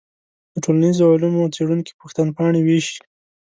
د ټولنیزو علومو څېړونکي پوښتنپاڼې ویشي.